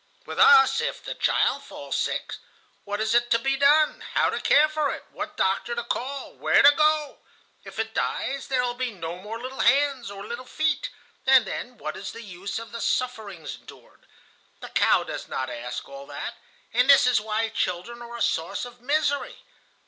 "With us, if the child falls sick, what is to be done, how to care for it, what doctor to call, where to go? If it dies, there will be no more little hands or little feet, and then what is the use of the sufferings endured? The cow does not ask all that, and this is why children are a source of misery.